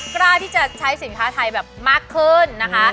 กล้าที่จะใช้สินค้าไทยแบบมากขึ้นนะคะ